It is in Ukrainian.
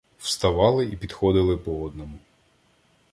Вставали і підходили по одному.